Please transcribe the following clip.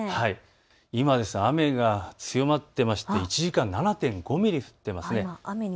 今、雨が強まっていまして１時間に７．５ミリ降っていますね。